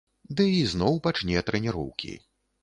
Ды ізноў пачне трэніроўкі.